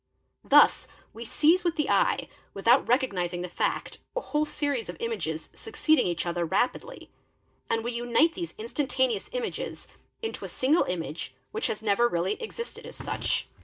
Thus we seize with the eye, without recognising the fact, a whole series of images succeeding each other rapidly, and we unite these instantaneous images into a single image which has never really existed as such.